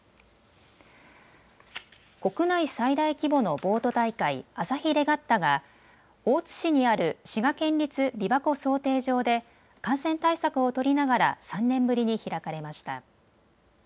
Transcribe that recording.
国内最大規模のボート大会、朝日レガッタが大津市にある滋賀県立琵琶湖漕艇場で感染対策を取りながら３年ぶりに開かれました。